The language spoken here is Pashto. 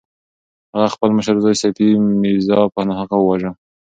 هغه خپل مشر زوی صفي میرزا په ناحقه وواژه.